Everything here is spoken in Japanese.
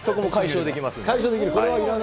そこも解消できます。